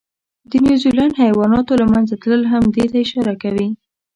د نیوزیلند حیواناتو له منځه تلل هم دې ته اشاره کوي.